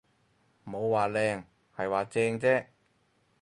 冇話靚，係話正啫